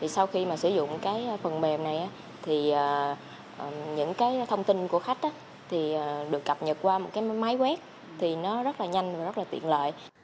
sau khi sử dụng phần mềm này những thông tin của khách được cập nhật qua máy quét thì nó rất là nhanh và tiện lợi